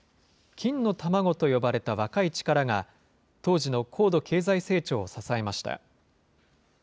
金の卵と呼ばれた若い力が、当時の高度経済成長を支えました。